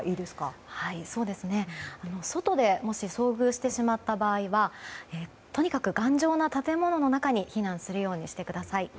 もし、外で遭遇してしまった場合はとにかく頑丈な建物の中に避難するようにしてください。